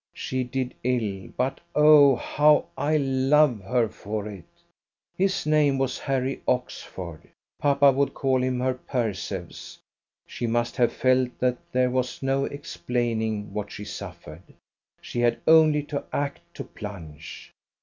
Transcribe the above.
She did ill. But, oh, how I love her for it! His name was Harry Oxford. Papa would call him her Perseus. She must have felt that there was no explaining what she suffered. She had only to act, to plunge.